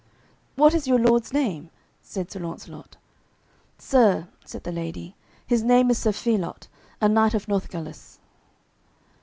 "What is your lord's name?" said Sir Launcelot. "Sir," said the lady, "his name is Sir Phelot, a knight of Northgalis."